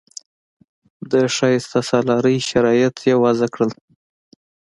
د شایسته سالارۍ شرایط یې وضع کړل.